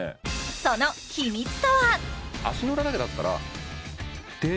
その秘密とは？